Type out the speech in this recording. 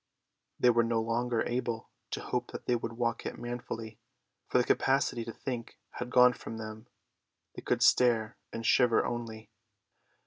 They were no longer able to hope that they would walk it manfully, for the capacity to think had gone from them; they could stare and shiver only.